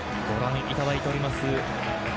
ご覧いただいています